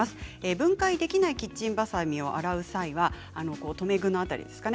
分解できないキッチンバサミを洗う際は留め具の辺りですかね。